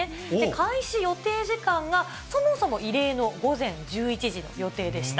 開始予定時間がそもそも異例の午前１１時の予定でした。